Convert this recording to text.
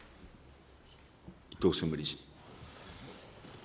伊藤専務理事。